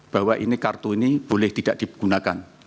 bahwa ini kartu ini boleh tidak digunakan